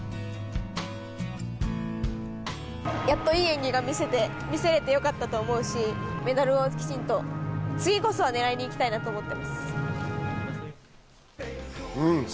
やっといい演技が見せられてよかったと思うし、メダルをきちんと次こそは狙いに行きたいなと思ってます。